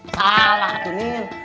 salah tuh ninn